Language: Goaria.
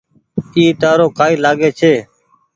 اي تآرو ڪآئي لآگي ڇي۔